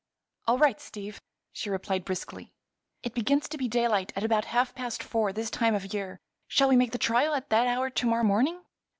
"All right, Steve," she replied briskly; "it begins to be daylight at about half past four, this time of year; shall we make the trial at that hour to morrow morning?"